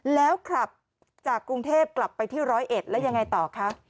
แล้วขับจากกรุงเทพกลับไปที่ร้อยเอ็ดแล้วยังไงต่อคะ